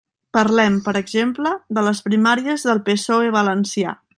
Parlem, per exemple, de les primàries del PSOE valencià.